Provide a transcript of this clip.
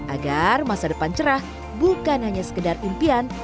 agar masa depan cerah bukan hanya sekedar impian